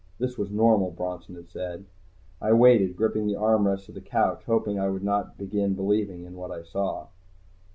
This was normal, Bronson had said. I waited, gripping the armrests of the couch, hoping I would not begin believing in what I saw.